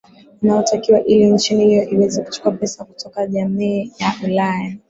unaotakiwa ili nchi hiyo iweze kuchukua pesa kutoka jamii ya ulaya